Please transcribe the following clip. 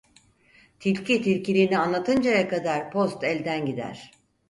Tilki tilkiliğini anlatıncaya kadar post elden gider.